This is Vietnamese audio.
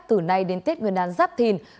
từ nay đến tết nguyên đán giáp thìn